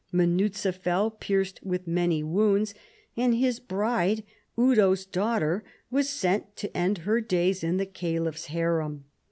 Munuza fell pierced w^ith many wounds, and his bride, Eudo's daughter, was sent to end her days in the Caliph's harem.